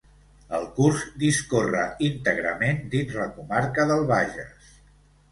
El curs discorre íntegrament dins la comarca del Bages.